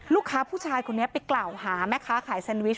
ลูกค้าผู้ชายคนนี้ไปกล่าวหาแม่ค้าขายแซนวิช